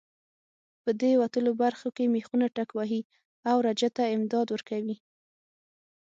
په دې وتلو برخو کې مېخونه ټکوهي او رجه ته امتداد ورکوي.